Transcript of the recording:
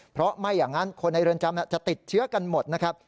เพราะไม่อย่างนั้นคนในเรือนจำจะติดเชื้อกันหมดนะครับ